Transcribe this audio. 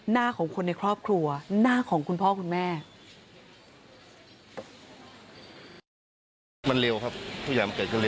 หน้าของคนในครอบครัวหน้าของคุณพ่อคุณแม่